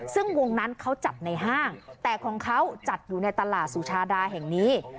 ซึ่งวงนั้นเขาจัดในห้างแต่ของเขาจัดอยู่ในตลาดสุชาดาแห่งนี้